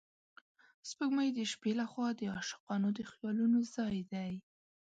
سپوږمۍ د شپې له خوا د عاشقانو د خیالونو ځای دی